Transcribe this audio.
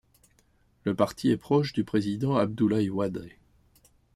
Le parti est proche du Président Abdoulaye Wade.